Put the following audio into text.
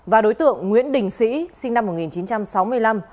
và đối tượng nguyễn đình sĩ sinh năm một nghìn chín trăm sáu mươi năm